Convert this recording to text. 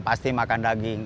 pasti makan daging